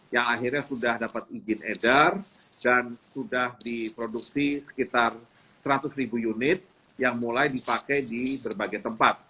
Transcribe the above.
yang akhirnya sudah dapat izin edar dan sudah diproduksi sekitar seratus ribu unit yang mulai dipakai di berbagai tempat